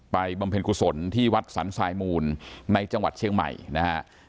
บำเพ็ญกุศลที่วัดสรรสายมูลในจังหวัดเชียงใหม่นะฮะ